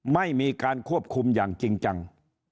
ไม่มีการควบคุมอย่างจริงจัง